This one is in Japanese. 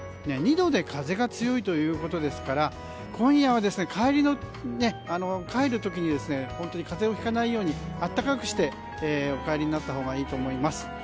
２度で風が強いということですから今夜は帰る時に風邪をひかないように暖かくしてお帰りになったほうがいいと思います。